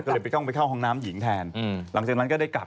ก็เลยไปต้องไปเข้าห้องน้ำหญิงแทนหลังจากนั้นก็ได้กลับ